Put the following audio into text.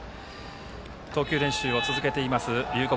投球練習を続けている龍谷